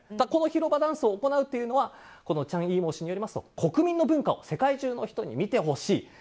この広場ダンスを行うというのはチャン・イーモウ氏によりますと国民の文化を世界中の人に見てほしい。